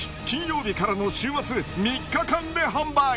金曜日からの週末３日間で販売。